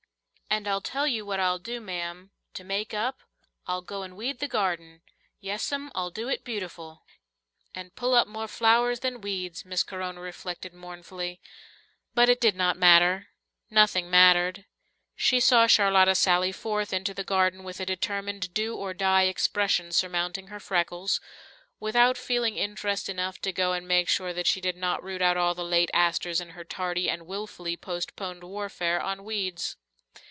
"And I'll tell you what I'll do, ma'am, to make up, I'll go and weed the garden. Yes'm, I'll do it beautiful." "And pull up more flowers than weeds," Miss Corona reflected mournfully. But it did not matter; nothing mattered. She saw Charlotta sally forth into the garden with a determined, do or die expression surmounting her freckles, without feeling interest enough to go and make sure that she did not root out all the late asters in her tardy and wilfully postponed warfare on weeds.